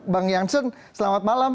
bang yansen selamat malam